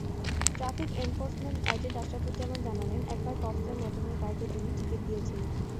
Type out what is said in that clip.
Traffic enforcement agent Ashrafuzzaman জানালেন, একবার pop star ম্যাডোনার গাড়িতে তিনি টিকিট দিয়েছিলেন।